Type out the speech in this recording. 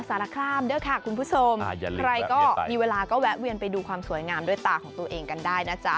สารครามด้วยค่ะคุณผู้ชมใครก็มีเวลาก็แวะเวียนไปดูความสวยงามด้วยตาของตัวเองกันได้นะจ๊ะ